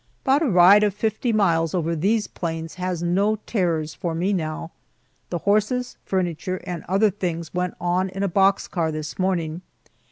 But a ride of fifty miles over these plains has no terrors for me now. The horses, furniture, and other things went on in a box car this morning.